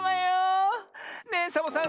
ねえサボさん